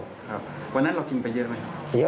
วันนั้นเรากินไปเยอะหรือไม่เยอะครับ